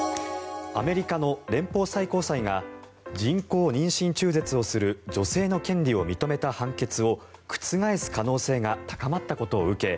アメリカの連邦最高裁が人工妊娠中絶をする女性の権利を認めた判決を覆す可能性が高まったことを受け